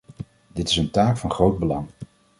Dit is een taak van groot belang.